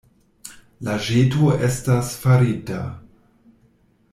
La ĵeto estas farita.